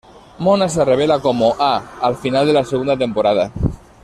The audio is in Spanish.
Mona se revela como "A" al final de la segunda temporada.